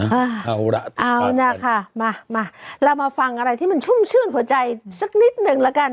เอาล่ะเอานะคะมามาเรามาฟังอะไรที่มันชุ่มชื่นหัวใจสักนิดหนึ่งแล้วกัน